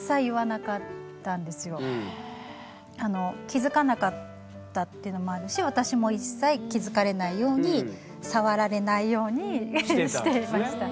気付かなかったっていうのもあるし私も一切気付かれないように触られないようにしていました。